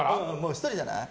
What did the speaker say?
１人じゃない？